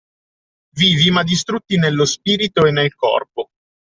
Vivi ma distrutti nello spirito e nel corpo